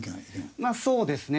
まあそうですね。